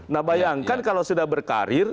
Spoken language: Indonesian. nah bayangkan kalau sudah berkarir